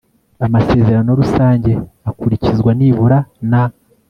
Amasezerano rusange akurikizwa nibura na